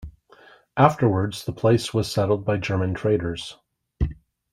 Afterwards the place was settled by German traders.